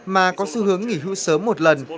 mà có xu hướng nghỉ hưu sớm một lần